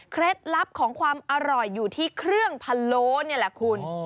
ลับของความอร่อยอยู่ที่เครื่องพะโล้นี่แหละคุณ